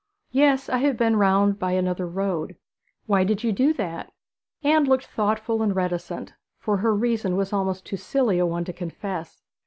'Yes, I have been round by another road.' 'Why did you do that?' Anne looked thoughtful and reticent, for her reason was almost too silly a one to confess.